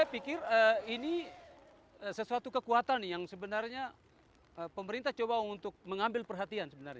saya pikir ini sesuatu kekuatan yang sebenarnya pemerintah coba untuk mengambil perhatian sebenarnya